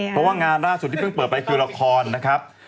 เพราะว่างานล่าสุดที่เพิ่งเปิดไปคือละครนะครับ